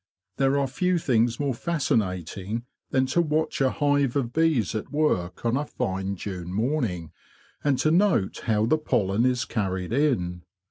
There are few things more fascinating than to watch a hive of bees at work on a fine June morning, and to note how the pollen is carried in.